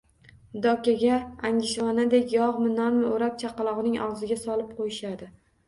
Dokaga angishvonadek yog‘mi, nonmi o‘rab chaqaloqning og‘ziga solib qo‘yishadi.